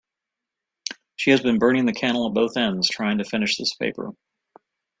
She has been burning the candle at both ends trying to finish this paper.